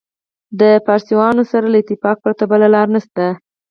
د فارسیانو سره له اتفاق پرته بله لاره نشته.